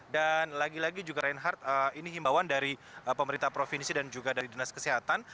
dan lagi lagi juga reinhardt ini himbawan dari pemerintah provinsi dan juga dari dinas kesehatan